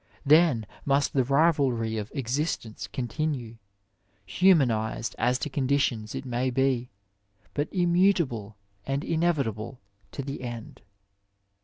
Then must tiie rivalry of existence continue, humanized as to conditions it may be, but immutable an4 inevitable to the end.